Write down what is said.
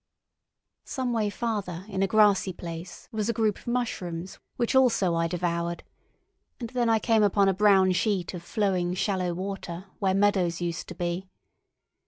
Some way farther, in a grassy place, was a group of mushrooms which also I devoured, and then I came upon a brown sheet of flowing shallow water, where meadows used to be.